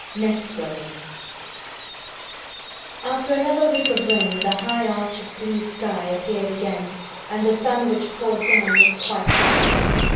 NEST BUILDING After another week of rain the high arch of blue sky appeared again and the sun which poured down was quite hot.